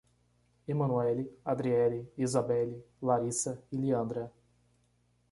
Emanuelly, Adrielly, Isabelli, Laryssa e Liandra